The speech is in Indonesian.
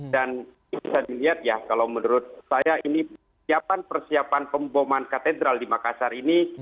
dan bisa dilihat ya kalau menurut saya ini siapan persiapan pemboman katedral di mekasar ini